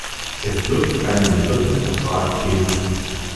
Es wird keinen dritten Vertrag geben.